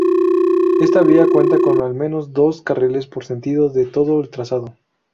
Esta vía cuenta con, al menos, dos carriles por sentido en todo el trazado.